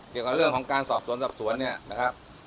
เกี่ยวกับเรื่องของการสอบสวนสอบสวนเนี่ยนะครับ